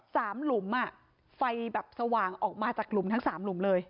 หลุมอ่ะไฟแบบสว่างออกมาจากหลุมทั้งสามหลุมเลย